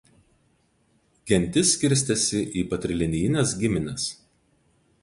Gentis skirstėsi į patrilinijines gimines.